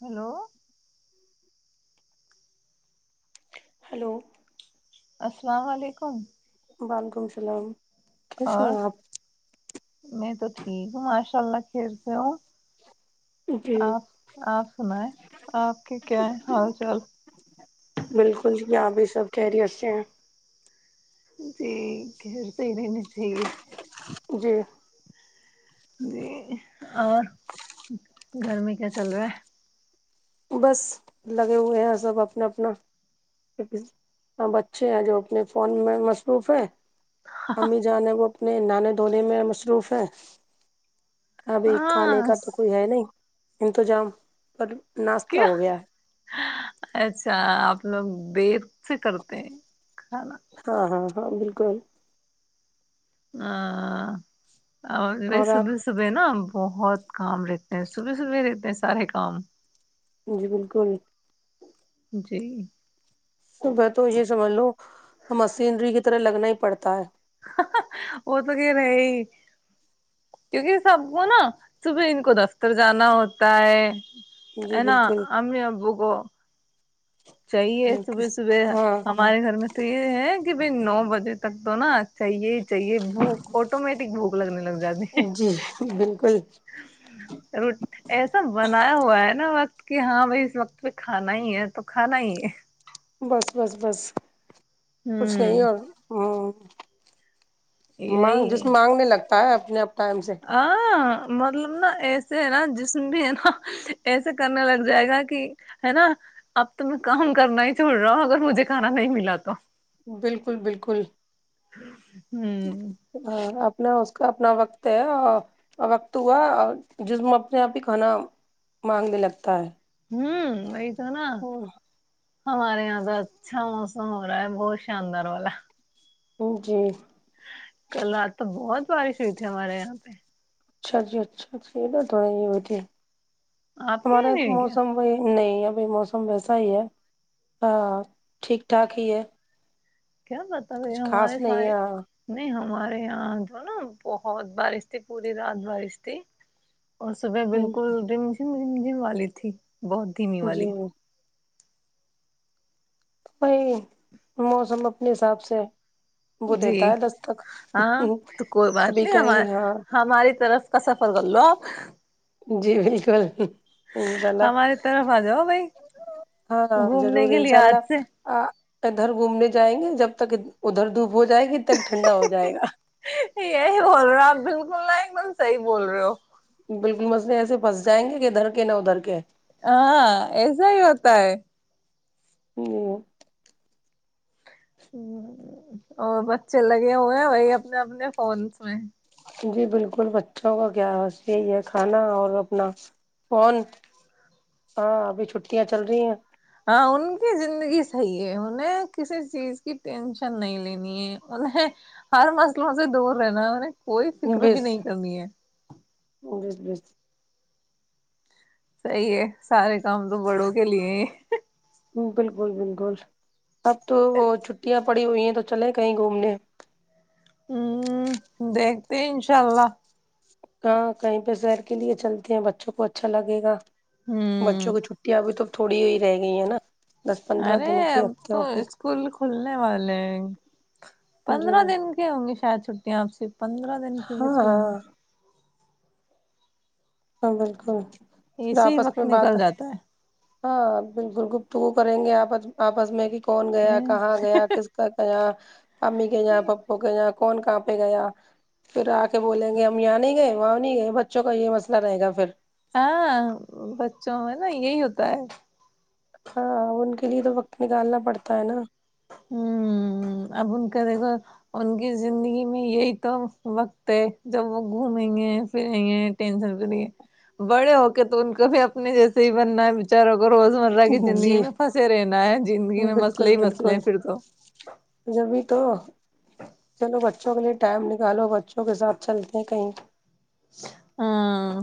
hello [unintelligible] hello [unintelligible] السلام علیکم وعلیکم السلام کیسے اور ہیں آپ [unintelligible] میں تو ٹھیک ہوں ماشاء اللہ خیر سے ہوں جی آپ آپ سنیں آپ کے کیا ہے حال چال [unintelligible] بالکل جی آپ یہ سب کہہریی سے ہیں ٹھیک ہے صحی رہ نہیں صحیح ہے [unintelligible] جی [unintelligible] جی اور گرمی کیا چل رہا ہے [unintelligible] بس لگے ہوئے ہیں سب اپنا اپنا سب بچے ہیں جو اپنے فون میں مصروف ہے امی جانے وہ [unintelligible] اپنے نانے دونے میں مصروف ہے [unintelligible] ابھی کھانے ہاں کا تو کوئی ہے نہیں انتظام پر [unintelligible] ناشتا کیا ہو گیا ہے [unintelligible] اچھا آپ لوگ دیر سے کرتے ہیں [unintelligible] ہاں ہاں ہاں بالکل [unintelligible] ہ [unintelligible] اور یہ سب سب نا [unintelligible] بہت کام رہتے ہیں صبح صبح رہتے ہیں سارے کام [unintelligible] جی بالکل [unintelligible] جی [unintelligible] صبح تو یہ سمجھ لو مشینری کی طرح لگنا ہی پڑتا ہے وہ تو گ رہے ہی کیونکہ سب کو نا صبح ان کو دفتر جانا ہوتا ہے [unintelligible] جی ا ن بالکل امی ب کوو چاہیے صبح صبح ہاں ہمارے گھر میں تو یہ ہے بائی نو بجے تک تو نا چاہیے ہی چاہیے بھوک آٹومیٹک بھوک لگنے لگی جی بالک ر ایسا بنا [unintelligible] بنایا ہوا ہے نا وقت کہ ہاں بھائی اس وقت پہ کھانا ہی ہے تو کھانا ہی ہے [unintelligible] بس بس بس کچھ نہیں ہوں اور ہوں ہ [unintelligible] مانگ جس مانگنے لگتا پ آ اپنا آ [unintelligible] مطلب نا ایسے ہے نا جس میں بھی ہے نا ایسے کرنے لگ جائے گا کہ ہے نا اب تو میں کام کرنا ہی چھوڑ رہا ہوں اگر مجھے کھانا نہیں ملا تو بالکل بالکل ہوں ہ آپ اپنا اس کا اپنا وقت ہے اور وقت ہوا اور جسم اپنے آپ ہی کھانا مانگنے لگتا ہے ہوں وہ تو نا ہوں ہمارے یہاں تو اچھا موسم ہو رہا ہے بہت شاندار والا جی کل رات تو بہت بارش ہوئی تھی ہمارے یہاں پہ اچھا جی اچھا اچ یہ تو توڑ یہ بتی ہے آپ کے ہمارے یہاں تو نہیں ہوئی کیا موسم وہ نہیں ب موسم ویسا ہی ہے ہاں ٹھیک ٹھاک ہی ہے کیا بتا ب کچھ ہمارے خاص شا نہیں ہے ہاں نہیں ہم ہمارے یہاں جو نا بہت بارش تھی پوری رات بارش تھی اور صبح بالکل اٹ مج م والی تھی بہت دھیمی جی والی وہی موسم اپنے حساب سے وہ جی دیتا ہے دستک ہاں تو کوئی بات کبھی نہیں ہم کہیں ہاں ہماری طرف کا سفر کر لو آپ جی بالکل انشاء اللہ ہماری طرف آ جاؤ بھائی ہاں گھومنے ضرور کے لیے انشاء ہج سے اللہ ادھر گھومنے جائیں گے جب تک ادھر دھوپ ہو جائے گی تک ٹھنڈا ہو جائے گا یہی بول رہے آپ بالکل نا ایک دم صحیح بول رہے ہو بالکل مسئے ایسے پھنسائیںے کہ ادھر کے ن ادھر کے ہے ہاں ایسا ہی ہوتا ہے ہ [unintelligible] ہ اور بچے لگے ہوئے ہیں وہی اپنے اپنے فونس میں جی بالکل بچوں کا کیا یہی ہے کھانا اور اپنا فون ہاں ابھی چھٹیاں چل رہی ہیں ہاں ان کی زندگی صحیح ہے انہیں کسی چیز کی ٹینشن نہیں لینی ہے انہیں ہر مسئلوں سے دور رہنا انہیں کوئی فکر بھی بس نہیں کرنی ہے [unintelligible] صحی ہے سارے کام تو بڑوں کے لیے ہی بالکل بالکل اب تو وہ چھٹیاں پڑی ہوئی ہیں تو چلے کہیں گھومنے ہوں دیکھتے انشاء اللہ ہاں کہیں پہ سر کے لیے چلتے ہیں بچوں کو اچھا لگے گا بچوں ہوں کی چھٹی ابھی تو تھوڑی ہو رہ گئی ہے نا دس پندرہ ارے دن کی تو ہفتےوں کی اسکول کھلنے والے جی پندرہ دن کے ہوں گے شاید سپ پندرہ دن کی ہاں بچی ہوئی ہاں ہاں بالکل پھر اسی آپس وقت میں نکل بات جاتا ہے ہاں بالکل گپت وہ کریں گے آپ آپس میں کہ کون گیا ہے کہاں گیا کس کا گ امی کےا پپو کےا کون کہاں پہ گیا پھر آ کے بولیں گے ہم یہاں نہیں گئے وہاں نہیں گئے بچوں کا یہ مسئلہ رہے گا پھر ہاں بچوں میں نا یہی ہوتا ہے ہاں ان کے لیے تو وقت نکالنا پڑتا ہے نا ہ اب ان کا دیکھو ان کی زندگی میں یہی تو وقت ہے جب وہ گھومیں گے پھریں گے ٹینشن پ نہیں بڑے ہو کے تو ان کو بھی اپنے جیسے ہی بننا ہے بچاروں روز مرہ کی زندگی جی میں پنسے رہنا ہے زندگی میں مسلے ہی ب مسئ کوئی جبھی تو چلو بچوں کےلئے ٹائم نکالو بچوں کے ساتھ چلتے ہیں کہیں ہاں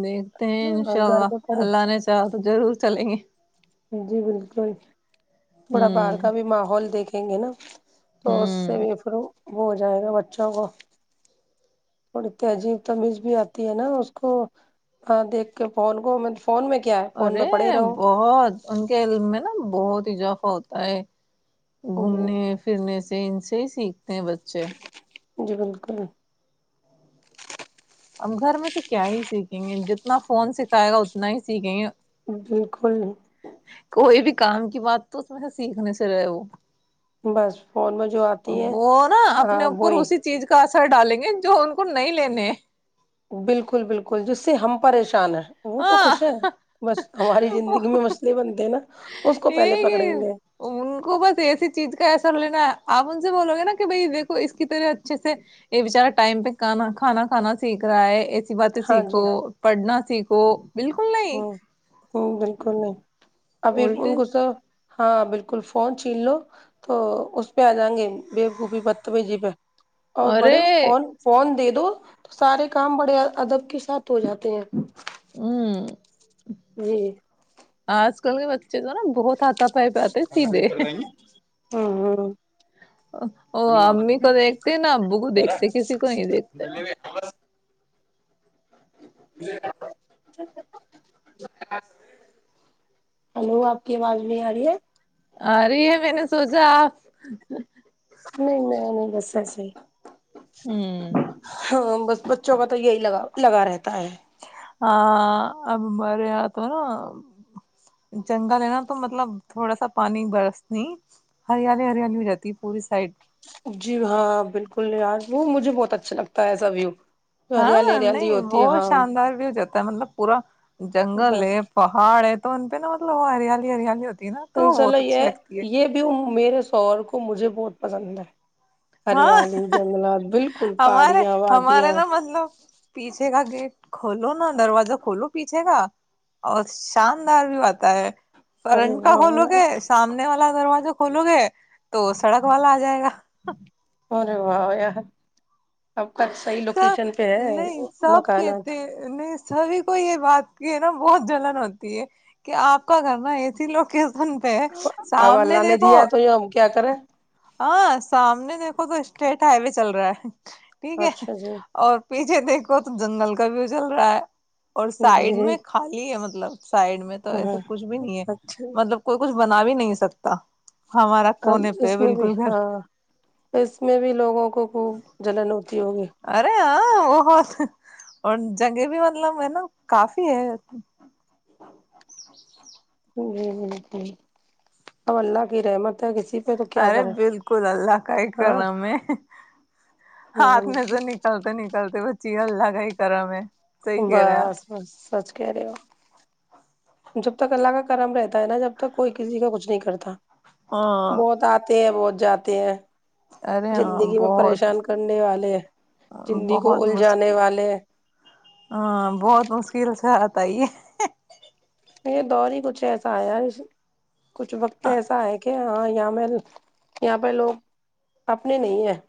نہیں انشاء گھر اللہ پہ پڑے اللہ نے چاہا تو ضرور چلیں گے جی بالکل تھوڑا باہر ہوں کا بھی ماحول دیکھ ہیں گ نا تو اس سے ہوں بھی پھروں وہ ہو جائے گا بچوں کو تھوڑی تہذیب تمیز بھی آتی ہے نا اس کو ہاں دیکھ کے فون کو میں فون کیا ہے فون میں ارے پڑے رہو بہت ان کے علم میں نا بہت اضافہ ہوتا ہے گھومنے جی پھرنے سے ان سے سیکھتے ہیں بچے جی بالکل ہم گھر میں تو کیا ہی سیکھیں گے جتنا فون سکھائے گا اتنا ہی سیکھیں گے بالکل کوئی بھی کام کی بات تو اس میں سے سیکھنے سے رہے وہ بس فون میں جو آتی ہیں وہ نا ہاں اپنے اوپر وہی اسی چیز کا ر ڈالیں گے جو ان کو نہیں لینے ہیں بالکل بالکل جس سے ہم پریشان ہیں وہ تو ہاں خوش ہے بس ہماری زندگی میں مسئلے بنتے ہیں نا اس کو یہ پہلے پکڑیں یہ گے ان کو بس ایسی چیز کیسر لینا ہے آپ ان سے بولو گے نا کہ بھائی دیکو اس کی طرح سے یہ بچار ٹائم پہ کانا کھانا کھا سیکھ رہا ہے بات ہاں جی سیکھو پڑھنا ٹھیک ہو بالکل نہیں کر ابھی ان الٹی کو س ہاں بالکل فون چھین لو تو اس پہ آ جائیں گے بےقوفی پتمی جی پہ اور ارے بڑے فون فون دے دو تو سارے کام بڑے ادب کے ساتھ ہو جاتے ہیں ہوں [inaudible] ہوں [inaudible] جی [inaudible] آج کل کے بچ چز نا بہت آتا پائی پ آتے سیدھے ہاں ہاں وہ امی کو دیکھتے نہ ابو کو دیکھتے کسی کو نہیں دیکھتے ہلو آپ کی آواز نہیں آ رہی ہے [inaudible] ارے ہے میں نے سوچا آپ نہیں میں نہیں بساس ہی ہوں ہاں ب بچوں کا تو یہی لگا لگا رہتا ہے ہاں اب ہمارے یہاں تو نا جنگل ہے نا تو مطلب تھوڑا سا پانی برس نہیں ہریالی ہریالی ہو جاتی ہے پوری سائڈ جی ہاں بالکل وہ مجھے بہت اچھا لگتا ہے ایسا ویو ہریالی ہاں ہریالی نہیں ہوتی ہے بہت ہاں شاندار بھی ہو جاتا مطلب پورا جنگل بس پہاڑ تو ان پہا مطلب وہ ہریالی ہریالی ہو انسلو یہ یہ بھی میرے سور کو وہ مجھے بہت پسند ہے ہاں ہریالی جنگلات بالکل ہمارے پہاڑیاں ہمارے وادیاں نا مطلب پیچھے کا گیٹ کھولو نا دروازہ کھولو پیچھے کا اور شاندار بھی آتا ہے ارے فرنٹ کا واہ کولو گے یار سامنے والا دروجہ کھولو گے تو سڑک والا آ جائے گا اور واہ ہویا اب کا صحیح لوکیشن پہ ہے نہیں سب کہتے مکانات نہیں سبھی کو یہ بات کی نا بہت جلن ہوتی ہے کہ آپ کا گھر نا ایسی لوک اب اللہ نے دیا ہے تو یہ ہم کیا کریں [unintelligible] ہاں سامنے دیکھو تو اسٹیٹ ہائی وے چل رہا ہے ٹھیک ہے اچھا جی اور پیچھے دیکھو تو جنگل کا وو چل رہا ہے اور سائڈ جی میں خالی ہے مطلب مطلب سائڈ میں تو ایسے ہاں کچھ بھی نہیں ہے اچھا مطلب کوئی کچھ بنا بھی نہیں سکتا ہمارا اب کونے پہ اس میں بھی بالکل گھر ہاں اس میں بھی لوگوں کو خوب جلن ہوتی ہے اوررے ہاں وہت اور جگے بھی مطلب ہے نا کافی ہے جی ج ج ا اللہ کی رحمت ہے کسی پہ تو کیا ارے کریں بالکل اللہ کا ہی کر رہا میں ہاتھ ہاں میں سے نکلتے نکلتے بچے چیل لگائی کرا میں بس بس سچ کر ہو جب تک اللہ کا کرم رہتا ہے نا جب تک کوئی کسی کا کچھ نہیں کرتا ہاں بہت آتے ہیں بہت جاتے ہیں ارے ہاں زندگی میں بہت پریشان کرنے والے زندگی بہت کو مشکل الجھانے والے ہاں بہت مشکل سے پائی ہے یہ دور ہی کچھ ایسا آیا کچھ وقت ایسا ہے کہ ہاں یہاں میں یہاں پہ لوگ اپنے نہیں ہیں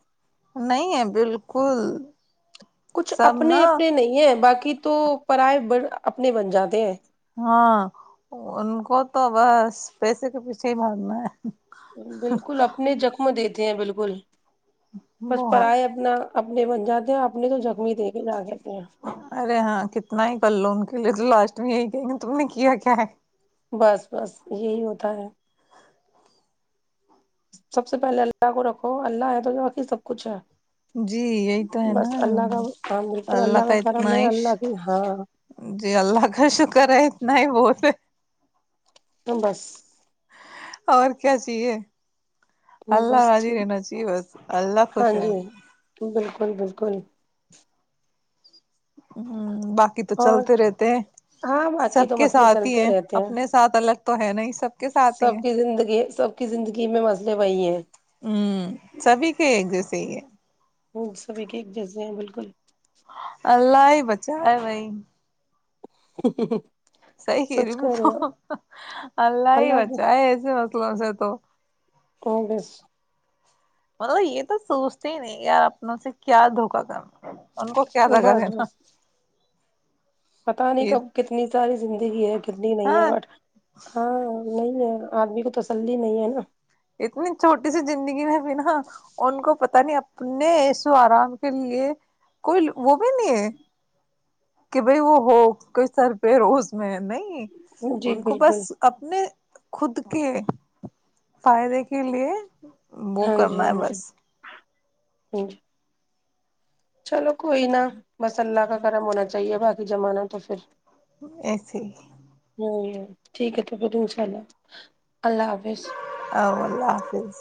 نہیں ہے بالکل کچھ سب اپنے نا اپنے نہیں ہیں باقی کہ تو پرائے بڑ اپنے بن جاتے ہیں [unintelligible] ہاں ان کو تو بس پیسے کے پیچھے ہی باگنا ہے بالکل اپنے زخم دے د [unintelligible] اے ہیں بالکل [unintelligible] بس پڑ بہت ہے اپنا [unintelligible] اپنے بن جاتے ہیں آپ [unintelligible] ارے ہاں کتنا ہی کر لو ان [unintelligible] پہلے تو لاسٹ میں یہ کہیں گے تم نے کیا کیا ہے [unintelligible] بس بس یہی ہوتا ہے [unintelligible] سب سے پہلے اللہ کو رکھو اللہ ہے توقی سب کچھ ہے جی یہی تو ہے نا بس اللہ کا ہاں بالکل اللہ کا کرم اتنا ہے عش اللہ کی ہاں جی اللہ کا شکر ہے نہیں بہت [unintelligible] ہ بس [unintelligible] اور کیا چاہیے [unintelligible] اللہ بس راضی ٹھیک رہ ناچی بس اللہ ہاں خوش رہ جی بالکل بالکل [unintelligible] ہوں [inaudible] باقی تو اور چلتے رہتے ہیں ہاں باقی سب تو کے مسئلے ساتھ ہی چلتے ہیں رہتے اپنے ساتھ الگ تو ہے ن سب کے ساتھ ہی سب ہیں کی زندگی سب کی زندگی میں مسئلے وہی ہیں ہ سبھی کے پ ہے [unintelligible] وہ سبھی کے ایک جزے ہیں بالکل اللہ ہی بچائے بائی [inaudible] صحیح کر رہی سچ میں کہہ رہے ہو تو اللہ ہی بچائے ہے ایسے مسئلوں سے [unintelligible] تو [unintelligible] کگس [unintelligible] مطلب یہ تو سوچتے ہی نہیں یار اپنوں سے کیا دھوکا کرنا ان کو کیا لگا بس دینا [unintelligible] بس پتا نہیں یہ کب کتنی ساری زندگی ہے کہ [unintelligible] سنی نہیں ہے ہاں بٹ ہاں نہیں ہے [unintelligible] آدمی کو تس ہی نہیں ہے نا [unintelligible] اتنی چھوٹی سی زندگی میں بھی نا ان کو پتا نہیں اپنےیسو آرام کے لیے کوئی وہ بھی نہیں ہے [unintelligible] کہ بھائی وہ ہو کوئی سر پہ روز میں نہیں نا جی ان کو بس بالکل اپنے [unintelligible] خود کے فائدے کے لیے [unintelligible] وہ کرنا ہے بس [unintelligible] ہ چلو کوئی نا بس اللہ کا کرم ہونا چاہیے باقی زمانہ تو پھر ایسے ہی ٹیک ہے تو بد چءال ا اللہ حافظ